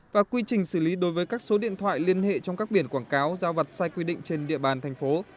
và quy trình xử lý đối với các số điện thoại liên hệ trong các biển quảng cáo giao vặt sai quy định trên địa bàn thành phố